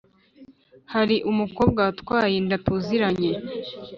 hari umukobwa watwaye inda tuziranye